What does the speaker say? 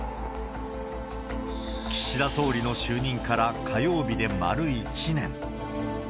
岸田総理の就任から火曜日で丸１年。